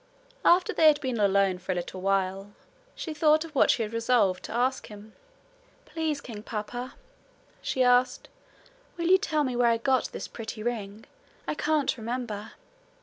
After they had been alone for a little while, she thought of what she had resolved to ask him. 'Please, king papa,' she said, 'Will you tell me where I got this pretty ring? I can't remember.'